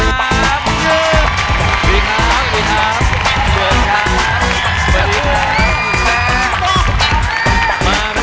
สวัสดีครับ